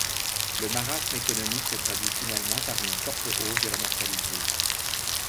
Le marasme économique se traduit finalement par une forte hausse de la mortalité.